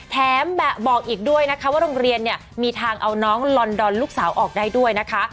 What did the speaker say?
แถมบอกอีกด้วยนะคะว่าโรงเรียนเนี่ยมีทางเอาน้องลอนดอนลูกสาวออกได้ด้วยนะคะ